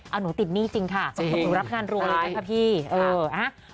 เอาหนูติดหนี้จริงค่ะหนูรับงานรัวเลยนะคะพี่เออนะฮะ